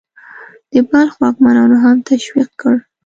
د بلخ واکمنانو هم تشویق کړ.